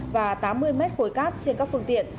và tám mươi mét khối cát trên các phương tiện